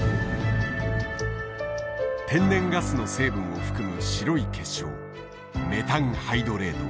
天然ガスの成分を含む白い結晶メタンハイドレート。